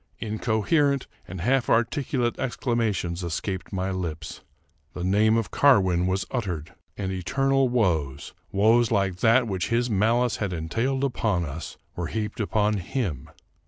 Incoherent and half articulate exclama tions escaped my lips. The name of Carwin was uttered, and eternal woes — woes like that which his malice had en tailed upon us — were heaped upon him.